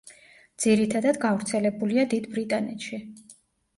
ძირითადად გავრცელებულია დიდ ბრიტანეთში.